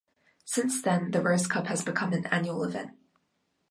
Since then, the Rose Cup has become an annual event.